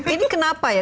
ini kenapa ya